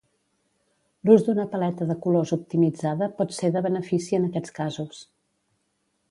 L'ús d'una paleta de colors optimitzada pot ser de benefici en aquests casos.